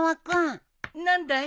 何だい？